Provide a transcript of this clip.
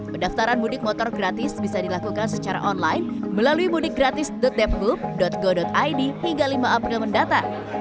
pendaftaran mudik motor gratis bisa dilakukan secara online melalui mudikgratis depgub go id hingga lima april mendatang